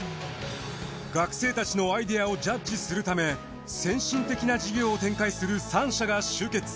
学生たちのアイデアをジャッジするため先進的な事業を展開する３社が集結。